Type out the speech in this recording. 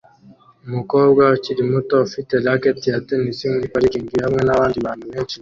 Umukobwa ukiri muto ufite racket ya tennis muri parikingi hamwe nabandi bantu benshi inyuma